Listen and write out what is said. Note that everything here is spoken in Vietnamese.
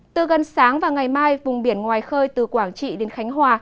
từ gần sáng và ngày mai vùng biển ngoài khơi từ quảng trị đến khánh hòa